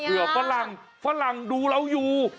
เผื่อฝรั่งฝรั่งดูเราอยู่